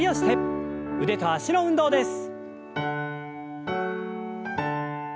腕と脚の運動です。